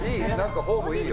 フォームいいよ。